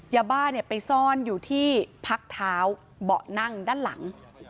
ยาบ้าไปซ่อนอยู่ที่พักเท้าเบาะนั่งด้านหลัง